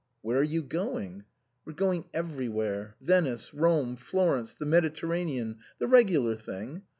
" Where are you going ?" "We're going everywhere. Venice Rome Florence the Mediterranean the regular thing.